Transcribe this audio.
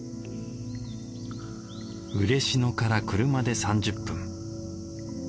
嬉野から車で３０分。